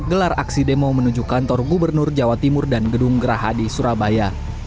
gelar aksi demo menuju kantor gubernur jawa timur dan gedung gerahadi surabaya